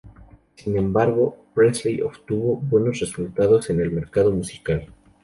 Sin embargo, Presley obtuvo buenos resultados en el mercado musical.